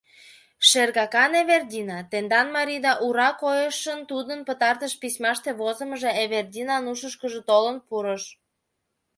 “Шергакан Эвердина, тендан марийда ура койышан тудын пытартыш письмаште возымыжо Эвердинан ушышкыжо толын пурыш.